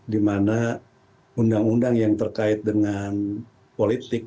dimana undang undang yang terkait dengan politik